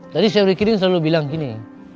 jadi chef ricky ini selalu bilang gini